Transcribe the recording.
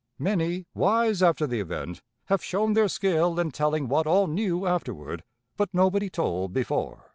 Many, wise after the event, have shown their skill in telling what all knew afterward, but nobody told before."